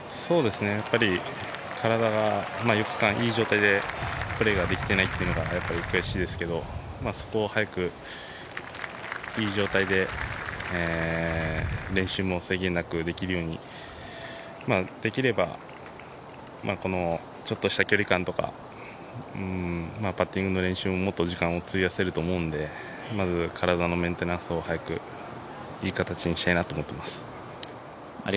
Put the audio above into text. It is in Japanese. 体が４日間いい状態でプレーできてないというのが悔しいですけどそこを早くいい状態で練習も制限なくできるようにできればちょっとした距離感とかパッティングの練習にももっと時間を費やせると思うので、まず体のメンテナンスを、早くいい形にしたいなと思っています。